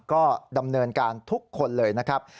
ก็ดำเนินการทุกคนเลยนะครับ